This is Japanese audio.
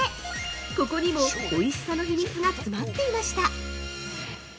ここにも、おいしさの秘密が詰まっていました。